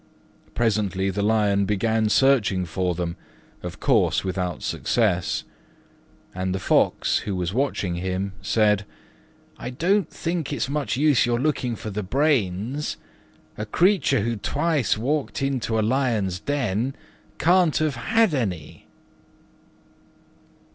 Presently the Lion began searching for them, of course without success: and the Fox, who was watching him, said, "I don't think it's much use your looking for the brains: a creature who twice walked into a Lion's den can't have got any."